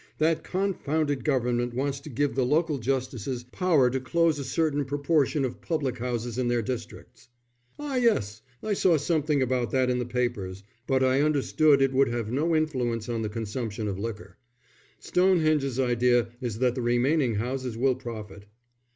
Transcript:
"That confounded Government wants to give the local justices power to close a certain proportion of public houses in their districts." "Ah, yes, I saw something about that in the papers, but I understood it would have no influence on the consumption of liquor. Stonehenge's idea is that the remaining houses will profit."